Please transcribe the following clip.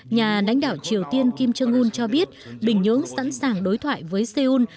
nhà lãnh đạo triều tiên kim jong un cho biết bình nhưỡng sẵn sàng đối thoại với seoul